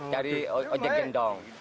jadi ojek gendong